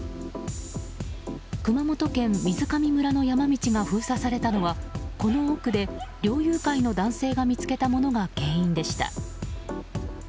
熊本県水上村の山道が封鎖されたのはこの奥で、猟友会の男性が見つけたものが原因でした。